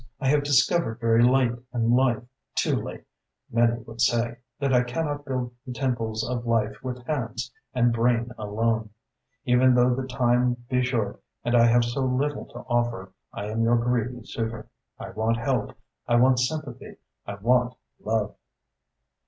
I have discovered very late in life, too late, many would say, that I cannot build the temples of life with hands and brain alone. Even though the time be short and I have so little to offer, I am your greedy suitor. I want help, I want sympathy, I want love."